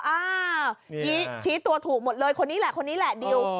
อ่าชี้ตัวถูกหมดเลยคนนี้แหละคนนี้แหละดิว